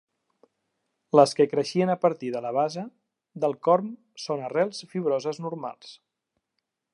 Les que creixen a partir de la base del corm són arrels fibroses normals.